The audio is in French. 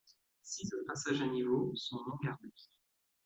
Six autres passages à niveau sont non gardés.